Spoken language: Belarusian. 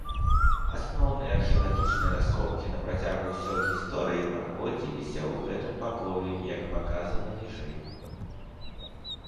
Асноўныя археалагічныя раскопкі на працягу ўсёй гісторыі праводзіліся ў гэтым пакоі, як паказана ніжэй.